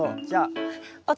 じゃあ。